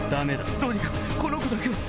どうにかこの子だけは。